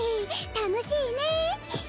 楽しいね。